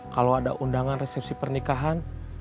kalau ada undangan resepsi pernikahan